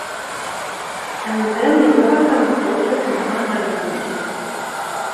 Amdan yeẓra tameṭṭut tenɣa alɣem-is.